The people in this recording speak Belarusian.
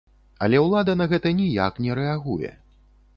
Але ўлада на гэта ніяк не рэагуе.